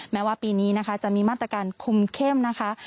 แม้ว่าปีนี้นะคะจะมีมาตรการคุมเข้มนะคะ